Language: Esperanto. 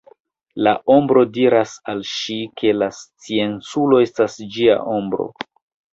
La ombro diras al ŝi ke la scienculo estas ĝia ombro.